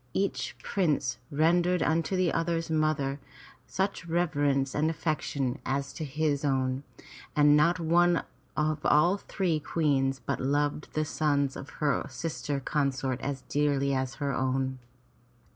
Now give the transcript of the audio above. Each prince rendered unto the other's mother such reverence and affection as to his own, and not one of all three Queens but loved the sons of her sister consorts as dearly as her own.